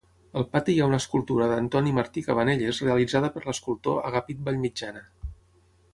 Al pati hi ha una escultura d'Antoni Martí Cabanelles realitzada per l'escultor Agapit Vallmitjana.